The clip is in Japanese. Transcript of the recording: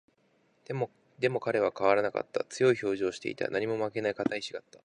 でも、彼は変わらなかった。強い表情をしていた。何にも負けない固い意志があった。